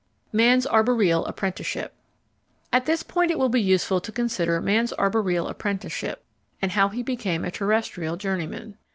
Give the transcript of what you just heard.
Man's Arboreal Apprenticeship At this point it will be useful to consider man's arboreal apprenticeship and how he became a terrestrial journeyman.